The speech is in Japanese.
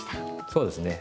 そうですね。